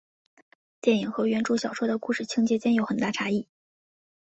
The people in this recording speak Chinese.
电影和原着小说的故事情节间有很大差异。